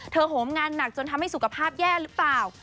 โหมงานหนักจนทำให้สุขภาพแย่หรือเปล่า